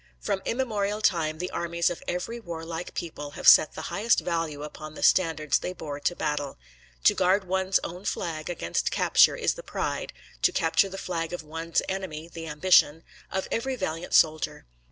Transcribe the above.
From immemorial time the armies of every warlike people have set the highest value upon the standards they bore to battle. To guard one's own flag against capture is the pride, to capture the flag of one's enemy the ambition, of every valiant soldier.